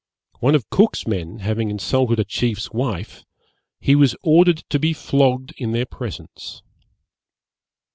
One of Cook's men having insulted a chief's wife, he was ordered to be flogged in their presence.